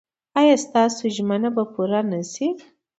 ایا ستاسو ژمنه به پوره نه شي؟